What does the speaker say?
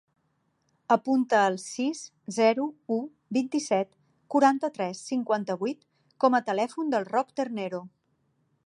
Apunta el sis, zero, u, vint-i-set, quaranta-tres, cinquanta-vuit com a telèfon del Roc Ternero.